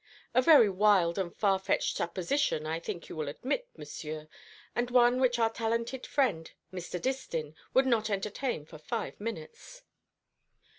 A very wild and far fetched supposition I think you will admit, Monsieur, and one which our talented friend Mr. Distin would not entertain for five minutes."